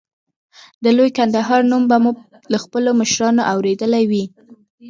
د لوی ننګرهار نوم به مو له خپلو مشرانو اورېدلی وي.